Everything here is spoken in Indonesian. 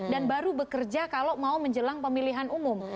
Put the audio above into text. dan baru bekerja kalau mau menjelang pemilihan umum